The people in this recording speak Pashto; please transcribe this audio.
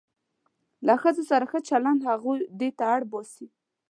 له ښځو سره ښه چلند هغوی دې ته اړ باسي.